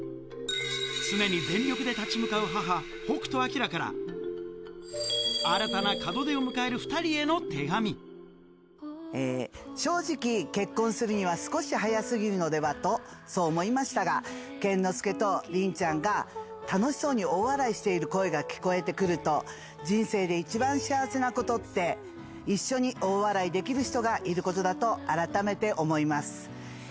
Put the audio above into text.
常に全力で立ち向かう母、北斗晶から、正直、結婚するには少し早すぎるのではとそう思いましたが、健之介と凛ちゃんが楽しそうに大笑いしている声が聞こえてくると、人生で一番幸せなことって、一緒に大笑いできる人がいることだと、改めて思います。